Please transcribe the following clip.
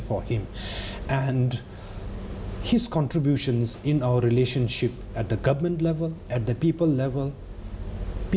เขาและความส่งต้องการในเรื่องของเราในระดับรัฐมนิตนาในระดับคน